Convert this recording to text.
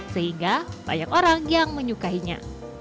sehingga banyak orang yang menyukainya